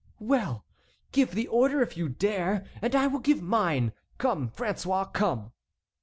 "Well! give the order, if you dare, and I will give mine! Come, François, come!"